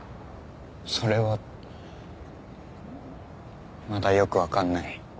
それはまだよくわからない。